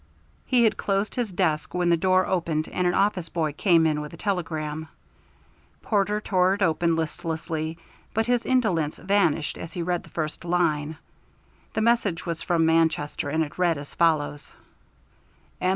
He had closed his desk when the door opened and an office boy came in with a telegram. Porter tore it open listlessly, but his indolence vanished as he read the first line. The message was from Manchester, and it read as follows: M.